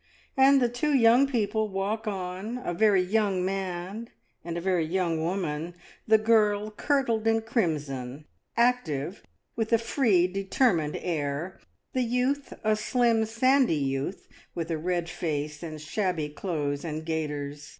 And the two young people walk on — a very young man and a very young woman. The girl kirtled in crimson, active, with a free, determined air; the youth, a slim sandy youth, with a red face and shabby clothes and gaiters.